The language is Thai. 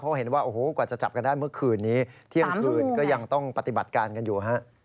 เพราะเห็นว่าโอ้โหกว่าจะจับกันได้เมื่อคืนนี้เที่ยงคืนก็ยังต้องปฏิบัติการกันอยู่ฮะ